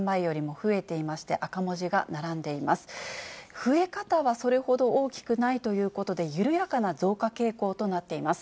増え方はそれほど大きくないということで、緩やかな増加傾向となっています。